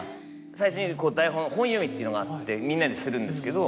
最初に台本本読みっていうのがあってみんなでするんですけど。